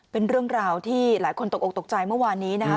เป็นเรื่องราวที่หลายคนตกออกตกใจเมื่อวานนี้นะครับ